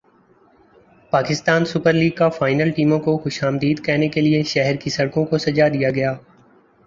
Pakistan super league کا final ٹیموں کو خوش مدید کہنے کے لئے شہر کی سڑکوں کوسجا دیا گیا